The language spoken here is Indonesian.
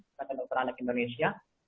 maksudnya dokter anak indonesia